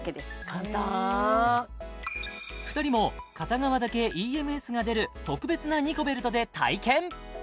簡単ええ２人も片側だけＥＭＳが出る特別なニコベルトで体験